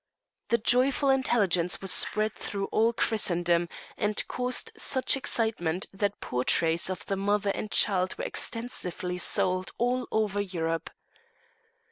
The joyful intelligence was spread through all Christendom, and caused such excitement that portraits of the mother and child were extensively sold all over Europe.